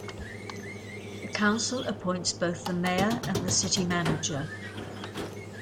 The council appoints both the mayor and the city manager.